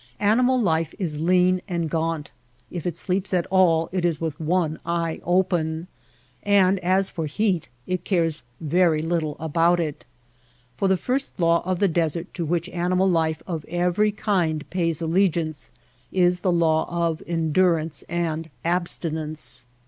Animal life is lean and gaunt ; if it sleeps at all it is with one eye open ; and as for heat it cares very lit tle about it. For the first law of the desert to which animal life of every kind pays allegiance is the law of endurance and abstinence.